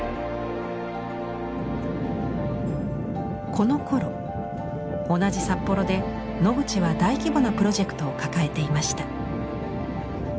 このころ同じ札幌でノグチは大規模なプロジェクトを抱えていました。